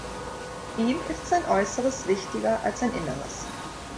Ihm ist sein Äußeres wichtiger als sein Inneres.